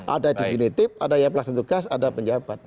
ada definitif ada pelaksana tugas ada penjawaban